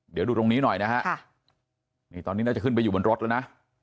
เดี๋ยวดูตรงนี้หน่อยนะฮะนี่ตอนนี้น่าจะขึ้นไปอยู่บนรถแล้วนะ